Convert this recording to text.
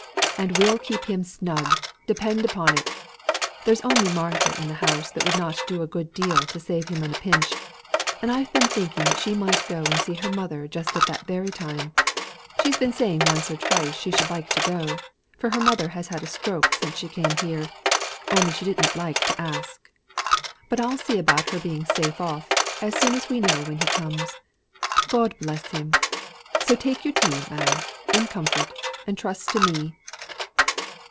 And we'll keep him snug, depend upon it. There's only Martha in the house that would not do a good deal to save him on a pinch; and I've been thinking she might go and see her mother just at that very time. She's been saying once or twice she should like to go, for her mother has had a stroke since she came here; only she didn't like to ask. But I'll see about her being safe off, as soon as we know when he comes, God bless him! So take your tea, ma'am, in comfort, and trust to me."